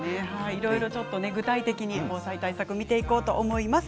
いろいろ具体的に防災対策を見ていこうと思います。